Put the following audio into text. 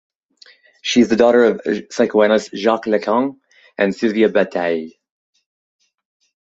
She is the daughter of the psychoanalyst Jacques Lacan and Sylvia Bataille.